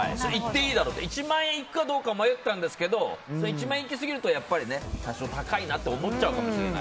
１万円いくかどうかも迷ったんですけど１万円以上だと多少高いなと思っちゃうかもしれない。